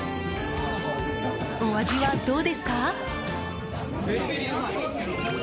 お味はどうですか？